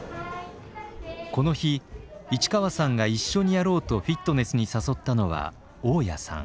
この日市川さんが一緒にやろうとフィットネスに誘ったのは雄谷さん。